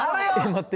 待って